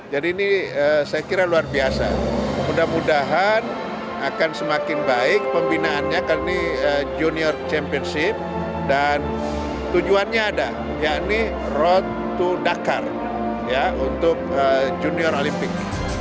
jadi ini saya kira luar biasa mudah mudahan akan semakin baik pembinaannya karena ini junior championship dan tujuannya ada yakni road to dakar untuk junior olimpik